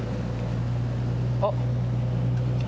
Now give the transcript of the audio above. あっ。